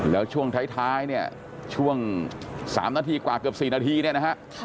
แล้วช่วงท้ายเนี่ยช่วง๓นาทีกว่าเกือบ๔นาทีเนี่ยนะฮะ